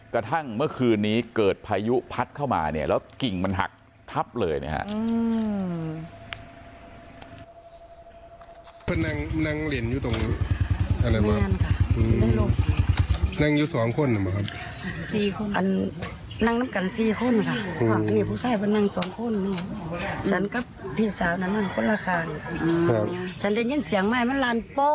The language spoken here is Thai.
กระทั่งเมื่อคืนนี้เกิดพายุพัดเข้ามาเนี่ยแล้วกิ่งมันหักทับเลยนะครับ